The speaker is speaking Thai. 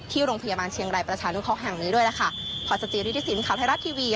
ที่โรงพยาบาลเชียงรายประชานุคคลแห่งนี้ด้วยนะคะพรศจริษฐศิลป์ข่าวไทยรัตน์ทีวี